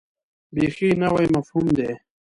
بیخي نوی مفهوم دی.